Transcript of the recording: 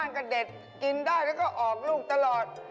กินได้แล้วก็ออกลูกตลอด